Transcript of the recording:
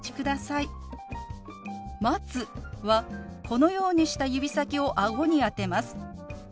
「待つ」はこのようにした指先を顎に当てます。